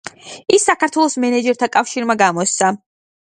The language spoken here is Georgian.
ის საქართველოს მენეჯერთა კავშირმა გამოსცა.